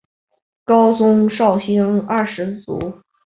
高宗绍兴二年卒。